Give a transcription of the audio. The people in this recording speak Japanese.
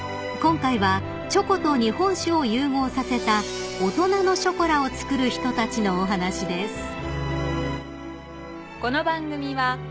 ［今回はチョコと日本酒を融合させた大人のショコラを作る人たちのお話です］